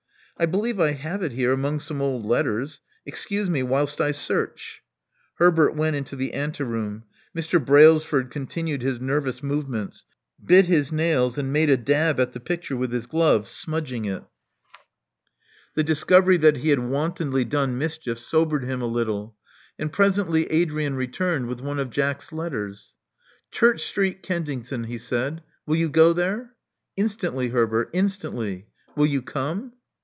"I believe I have it here among some old letters. Excuse me whilst I search." Herbert went into the ante room. Mr. Brailsford continued his nervous movements; bit his nails; and made a dab at the picture with his glove, smudging it. 138 Love Among the Artists The discovery that he had wantonly done mischief sobered him a little; and presently Adrian returned with one of Jack's letters. '* Church Street, Kensington/* he said. '*Will you go there?" Instantly, Herbert, instantly. Will you come?"